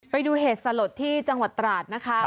ไปดูเหตุสลดที่จังหวัดตราดนะคะ